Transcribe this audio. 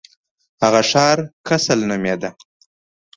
هغه ښار کسل نومیده.